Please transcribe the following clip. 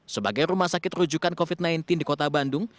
sebagai rumah sakit rujukan covid sembilan belas di kota bandung